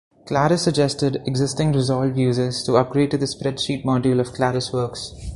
Claris suggested existing Resolve users to upgrade to the spreadsheet module of ClarisWorks.